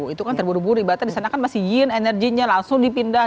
itu kan terburu buru bahkan di sana kan masih yin energinya langsung dipindah